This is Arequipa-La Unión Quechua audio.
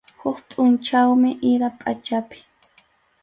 Huk pʼunchawmi ira pachapi.